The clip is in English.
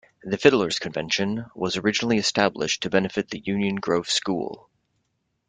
The Fiddler's Convention was originally established to benefit the Union Grove school.